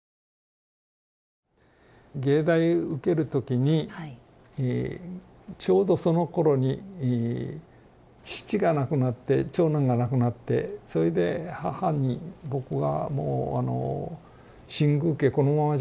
藝大受ける時にちょうどそのころに父が亡くなって長男が亡くなってそれで母に僕が「新宮家このままじゃとてもじゃないけど大変だから。